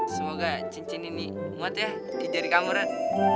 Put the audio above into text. semoga cincin ini muat ya di jari kamu ran